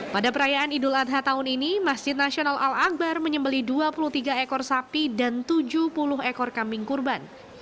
pada perayaan idul adha tahun ini masjid nasional al akbar menyembeli dua puluh tiga ekor sapi dan tujuh puluh ekor kambing kurban